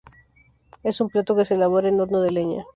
Es un plato que se elabora en horno de leña.